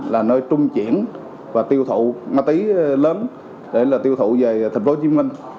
là nơi trung chuyển và tiêu thụ ma túy lớn để tiêu thụ về tp hcm